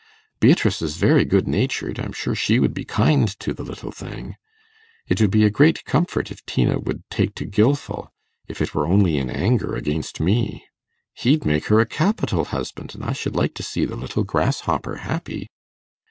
Beatrice is very good natured; I'm sure she would be kind to the little thing. It would be a great comfort if Tina would take to Gilfil, if it were only in anger against me. He'd make her a capital husband, and I should like to see the little grass hopper happy.